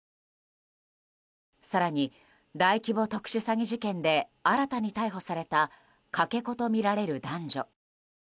更に、大規模特殊詐欺事件で新たに逮捕されたかけ子とみられる男女。